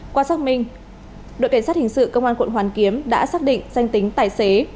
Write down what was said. qua xác minh đội cảnh sát hình sự công an quận hoàn kiếm đã xác định danh tính tài xế